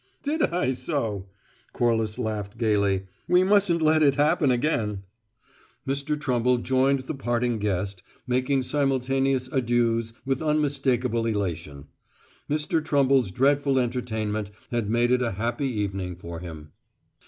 "Did I so?" Corliss laughed gayly. "We mustn't let it happen again!" Mr. Trumble joined the parting guest, making simultaneous adieus with unmistakable elation. Mr. Trumble's dreadful entertainment had made it a happy evening for him.